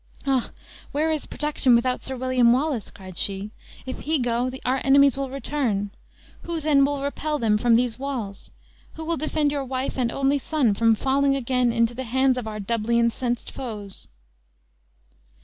"Ah, where is protection without Sir William Wallace?" cried she. "If he go, our enemies will return. Who then will repel them from these walls? Who will defend your wife and only son from falling again into the hands of our doubly incensed foes?"